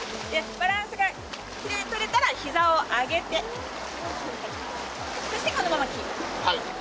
バランスがきれいにとれたら、膝を上げて、このままキープ。